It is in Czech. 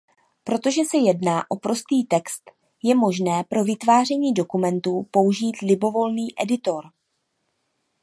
Protože se jedná o prostý text je možné pro vytváření dokumentů použít libovolný editor.